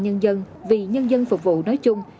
công an nhân dân vì nhân dân phục vụ nói chung